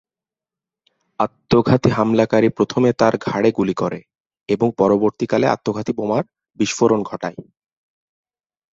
আত্মঘাতী হামলাকারী প্রথমে তার ঘাড়ে গুলি করে এবং পরবর্তীকালে আত্মঘাতী বোমার বিস্ফোরণ ঘটায়।